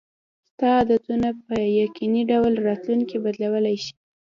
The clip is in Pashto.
ستا عادتونه په یقیني ډول راتلونکی بدلولی شي.